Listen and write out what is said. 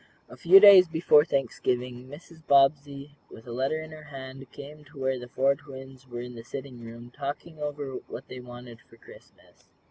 A few days before Thanksgiving Mrs. Bobbsey, with a letter in her hand, came to where the four twins were in the sitting room, talking over what they wanted for Christmas.